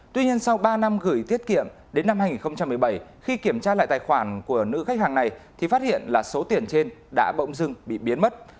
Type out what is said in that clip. tuy nhiên sau ba năm gửi tiết kiệm đến năm hai nghìn một mươi bảy khi kiểm tra lại tài khoản của nữ khách hàng này thì phát hiện là số tiền trên đã bỗng dưng bị biến mất